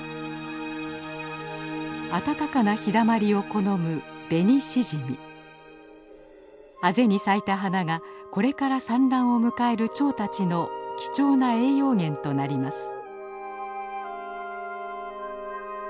暖かな日だまりを好むあぜに咲いた花がこれから産卵を迎える蝶たちの貴重な栄養源となります。